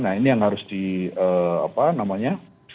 nah ini yang harus di apa namanya